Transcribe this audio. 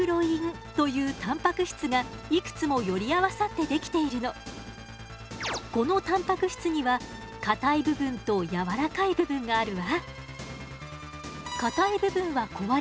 非常にヴィラン様のこのたんぱく質には硬い部分とやわらかい部分があるわ。